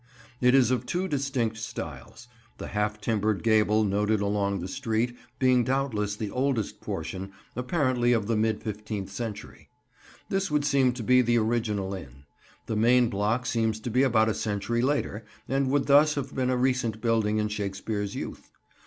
It is of two distinct styles: the half timbered gable noted along the street being doubtless the oldest portion, apparently of the mid fifteenth century. This would seem to be the original inn. The main block seems to be about a century later, and would thus have been a recent building in Shakespeare's youth.